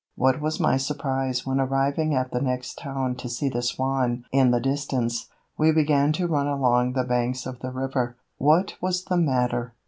What was my surprise when arriving at the next town to see the Swan in the distance. We began to run along the banks of the river. What was the matter?